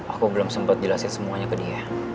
aku belum sempat jelasin semuanya ke dia